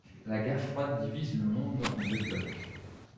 La guerre froide divise le monde en deux blocs.